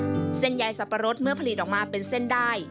เส้นฟักฟัสของเซ้นใหญ่สรรพรสเมื่อผลิตออกมาเป็นเส้นด้าย